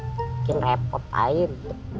mungkin repot lain